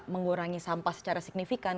mengurangi sampah secara signifikan